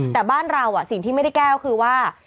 แต่บ้านเราสิ่งที่ไม่ได้แก้คือว่า